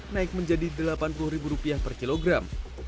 naik menjadi delapan puluh rupiah per kilogram